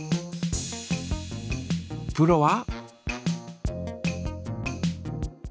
プロは？